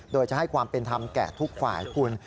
โดยจะให้ความเป็นธรรมแก่ทุกฝ่ายคุณ